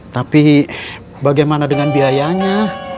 tapi bagaimana dengan biayanya